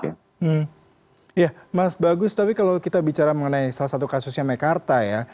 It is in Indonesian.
ya mas bagus tapi kalau kita bicara mengenai salah satu kasusnya mekarta ya